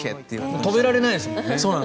止められないですもんね。